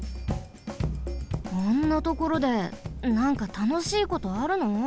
あんなところでなんかたのしいことあるの？